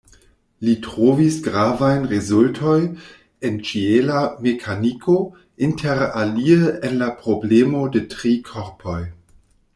Li trovis gravajn rezultoj en ĉiela mekaniko, interalie en la problemo de tri korpoj.